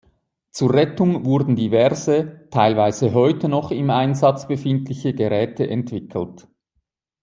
Zur Rettung wurden diverse, teilweise heute noch im Einsatz befindliche Geräte entwickelt.